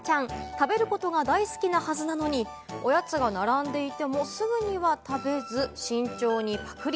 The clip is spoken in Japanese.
食べることが大好きなはずなのに、おやつが並んでいても、すぐには食べず慎重にパクり。